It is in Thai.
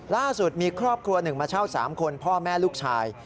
ล่าสุดมีครอบครัวหนึ่งมาเช่า๓คนพ่อแม่ลูกชาย